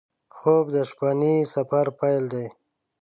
خوب د شپهني سفر پیل دی